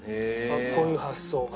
そういう発想は。